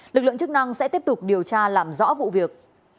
lực lượng chức năng sẽ tiếp tục điều tra làm rõ vụ việc